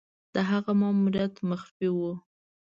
د هغه ماموریت مخفي وو.